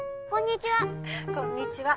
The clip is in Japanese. こんにちは。